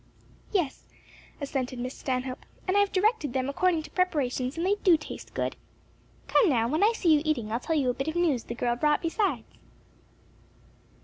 "Yes," assented Miss Stanhope, "and I've directed them according to preparations and they do taste good. Come now; when I see you eating, I'll tell you a bit of news the girl brought besides."